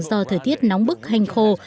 do thời tiết nóng bức hành khô